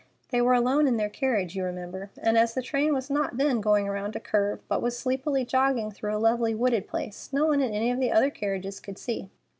They were alone in their carriage, you remember, and as the train was not then going round a curve, but was sleepily jogging through a lovely wooded place, no one in any of the other carriages could see.